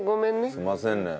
すいませんね。